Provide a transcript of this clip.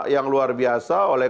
yang luar biasa oleh